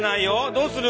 どうする？